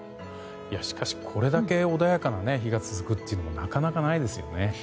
しかし、これだけ穏やかな日が続くというのもなかなかないですよね。